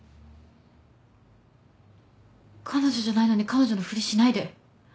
彼女じゃないのに彼女のふりしないで。